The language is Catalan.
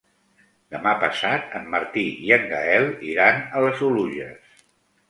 Demà passat en Martí i en Gaël iran a les Oluges.